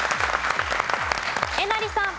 えなりさん。